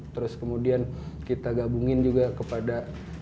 terus kemudian kita gabungin juga kepada